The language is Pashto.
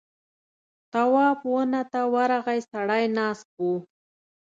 تواب ونه ته ورغی سړی ناست و.